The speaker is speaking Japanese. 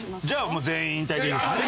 もう全員引退でいいですね。